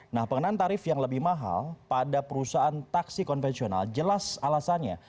nah pengenaan tarif yang lebih mahal pada perusahaan taksi konvensional jelas alasannya